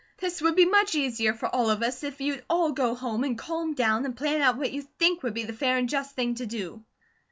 This would be much easier for all of us, if you'd all go home and calm down, and plan out what you think would be the fair and just thing to do."